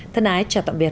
thân ái chào tạm biệt